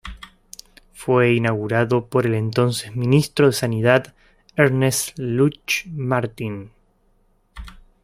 Fue inaugurado por el entonces Ministro de Sanidad, Ernest Lluch Martín.